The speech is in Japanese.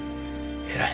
偉い！